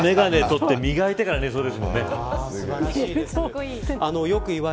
ちゃんと眼鏡取って磨いてから寝そうですもんね。